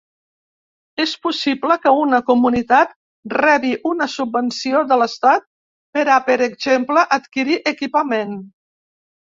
És possible que una comunitat rebi una subvenció de l'estat per a, per exemple, adquirir equipament.